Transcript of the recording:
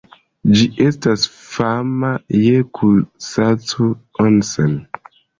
Ĝi estas fama je Kusacu-Onsen.